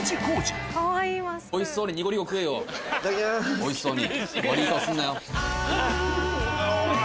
おいしそうに。